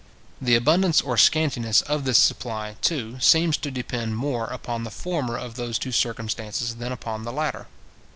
The abundance or scantiness of this supply, too, seems to depend more upon the former of those two circumstances than upon the latter.